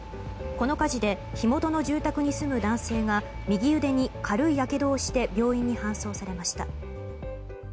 この火事で火元の住宅に住む男性が右腕に軽いやけどをして病院に搬送されました。